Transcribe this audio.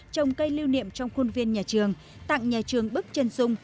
trồng cây lưu niệm trong khuôn viên nhà trường tặng nhà trường bức chân sung